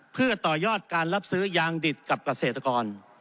เพื่อต่อยอดการรับซื้อยางดิดกับเกษตรกร